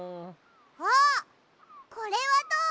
あっこれはどう？